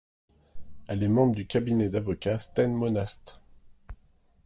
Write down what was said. Elle est membre du cabinet d'avocats Stein Monast.